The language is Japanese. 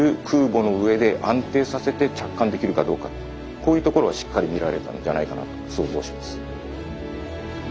こういうところをしっかり見られたんじゃないかなと想像します。